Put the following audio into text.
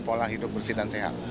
pola hidup bersih dan sehat